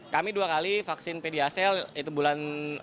kami dua kali vaksin pediasel itu bulan